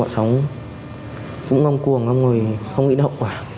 cũng ngong cuồng ngong ngồi không nghĩ đậu